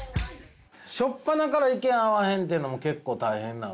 しょっぱなから意見合わへんっていうのも結構大変な。